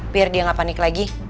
biar dia nggak panik lagi